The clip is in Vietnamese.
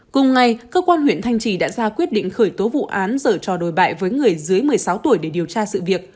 cùng ngày cơ quan huyện thanh trì đã ra quyết định khởi tố vụ án dở trò đồi bại với người dưới một mươi sáu tuổi để điều tra sự việc